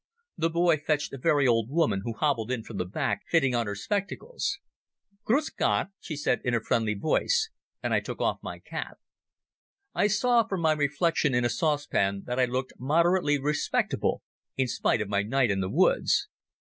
The boy fetched a very old woman, who hobbled in from the back, fitting on her spectacles. "Gruss Gott," she said in a friendly voice, and I took off my cap. I saw from my reflection in a saucepan that I looked moderately respectable in spite of my night in the woods.